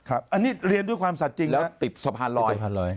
อันนี้เรียนด้วยความสัดจริงนะติดสะพานลอย